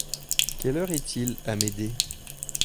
Quelle heure est-il, Amédée ?